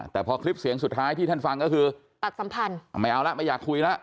แต่พอคลิปเสียงสุดท้ายที่ท่านฟังก็คือตัดสัมพันธ์ไม่เอาแล้วไม่อยากคุยแล้ว